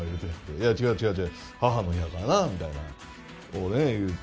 「いや違う違う違う母の日やからな」みたいなこうね言うて。